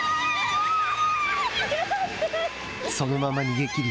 そのまま逃げ切り